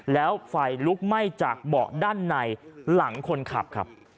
แล้วไฟลุกไหม้จากเบาะด้านในหลังคนขับครับ